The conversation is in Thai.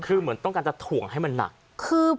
คือเหมือนต้องการจะถ่วงให้มันหนัก